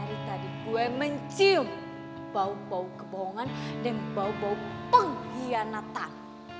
hari tadi gue mencium bau bau kebohongan dan bau bau pengkhianatan